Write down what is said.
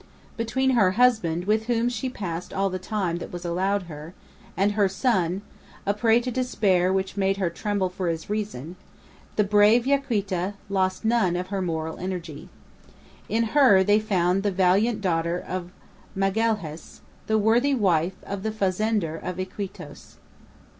Between her husband, with whom she passed all the time that was allowed her, and her son, a prey to despair which made her tremble for his reason, the brave Yaquita lost none of her moral energy. In her they found the valiant daughter of Magalhaës, the worthy wife of the fazender of Iquitos.